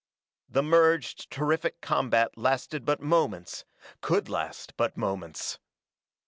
The merged, terrific combat lasted but moments; could last but moments.